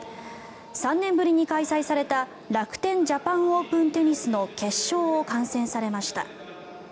３年ぶりに開催された楽天・ジャパン・オープン・テニスの決勝を観戦されました。